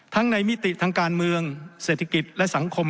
ในมิติทางการเมืองเศรษฐกิจและสังคม